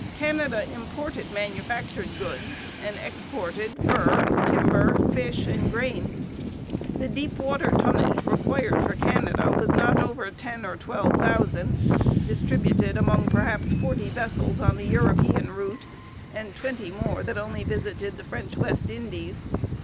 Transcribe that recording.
Canada imported manufactured goods and exported furs, timber, fish, and grain. The deep water tonnage required for Canada was not over ten or twelve thousand, distributed among perhaps forty vessels on the European route and twenty more that only visited the French West Indies.